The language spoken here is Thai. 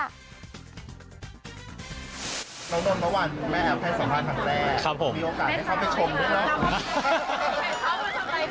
แล้วนนท์เมื่อวานคุณแม่แอฟให้สัมภาษณ์ครั้งแรกมีโอกาสให้เขาไปชมด้วยนะ